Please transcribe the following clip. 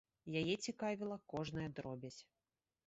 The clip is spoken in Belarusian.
Яе цікавіла кожная дробязь.